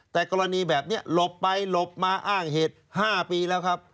แต่กรณีแบบนี้หลบไปหลบมาอ้างเหตุ๕ปีแล้วครับ